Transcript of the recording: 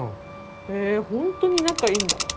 へぇホントに仲いいんだ。